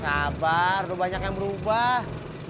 sabar udah banyak yang berubah